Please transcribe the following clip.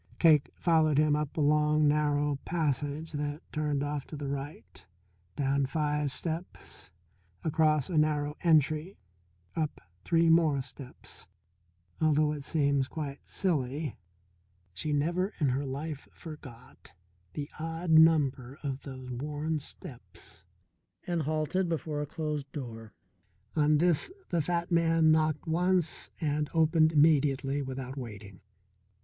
Cake followed him along a narrow passage that turned off to the right, down five steps, across a narrow entry, up three more steps although it seems quite silly, she never in her life forgot the odd number of those worn steps and halted before a closed door. On this the fat man knocked once and opened immediately without waiting.